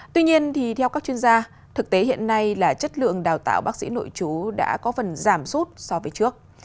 tuy nhiên theo các chuyên gia thực tế hiện nay là chất lượng đào tạo bác sĩ nội chú đã có phần giảm sút so với trước